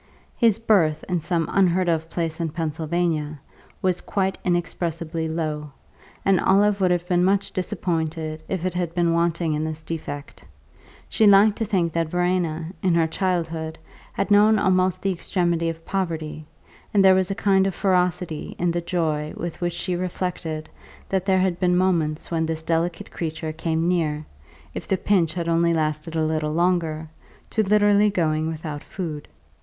His birth, in some unheard of place in Pennsylvania, was quite inexpressibly low, and Olive would have been much disappointed if it had been wanting in this defect. She liked to think that Verena, in her childhood, had known almost the extremity of poverty, and there was a kind of ferocity in the joy with which she reflected that there had been moments when this delicate creature came near (if the pinch had only lasted a little longer) to literally going without food.